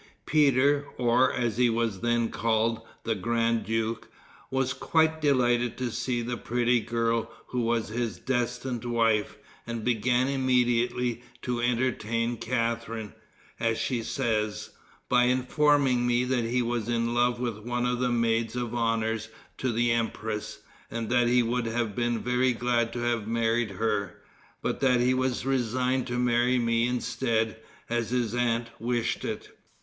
Peter, or, as he was then called, the grand duke, was quite delighted to see the pretty girl who was his destined wife, and began immediately to entertain Catharine, as she says, "by informing me that he was in love with one of the maids of honor to the empress, and that he would have been very glad to have married her, but that he was resigned to marry me instead, as his aunt wished it."